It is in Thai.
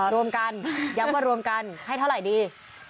รวมกันย้ำว่ารวมกันให้เท่าไหร่ดี